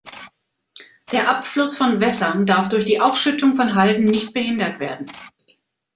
Der Abfluß von Wässern darf durch die Aufschüttung von Halden nicht behindert werden.